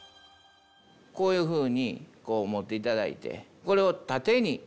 こういうふうにこう持って頂いてこれを縦に。